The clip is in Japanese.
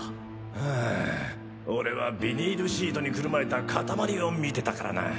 うん俺はビニールシートにくるまれた塊を見てたからなぁ。